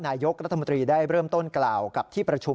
นายกรัฐมนตรีได้เริ่มต้นกล่าวกับที่ประชุม